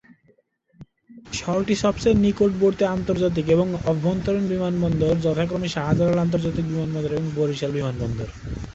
শহরটির সবচেয়ে নিকটবর্তী আন্তর্জাতিক এবং আভ্যন্তরীণ বিমানবন্দর যথাক্রমে শাহজালাল আন্তর্জাতিক বিমানবন্দর এবং বরিশাল বিমানবন্দর।